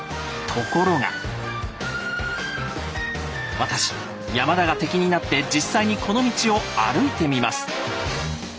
私山田が敵になって実際にこの道を歩いてみます。